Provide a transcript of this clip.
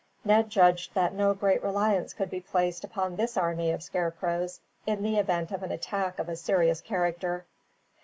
Ned judged that no great reliance could be placed upon this army of scarecrows, in the event of an attack of a serious character.